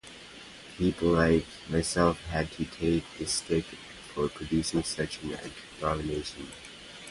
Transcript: People like myself had to take the stick for producing such an abomination!